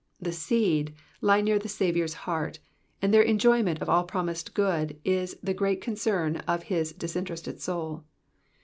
The seed lie near the Saviour's heart, and their enjoyment of all promised good is the great concern of his disinterested soul.